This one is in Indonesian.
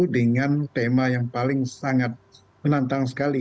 dengan tema yang paling sangat menantang sekali